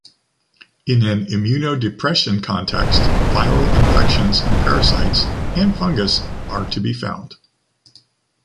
In an immunodepression context, viral infections and parasites and fungus are to be found.